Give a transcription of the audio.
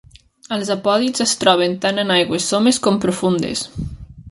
Els apòdids es troben tant en aigües somes com profundes.